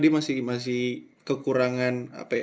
dia masih kekurangan apa ya